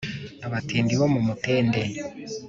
Abatindi bo mu Mutende